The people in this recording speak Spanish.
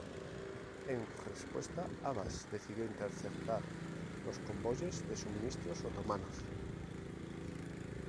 En respuesta, Abbas decidió interceptar los convoyes de suministros otomanos.